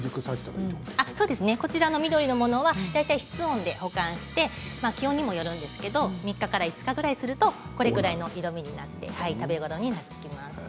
緑のものは室温で保管して気温にもよるんですが３日から５日するとこれぐらいの黒い色になって食べ頃になります。